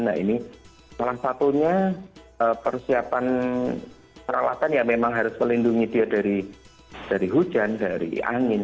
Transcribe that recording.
nah ini salah satunya persiapan peralatan yang memang harus melindungi dia dari hujan dari angin